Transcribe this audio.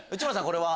これは？